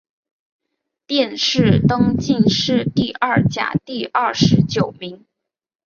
殿试登进士第二甲第二十九名。